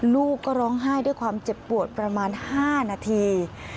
ลูกก็ร้องไห้ด้วยความเจ็บปวดประมาณ๕นาที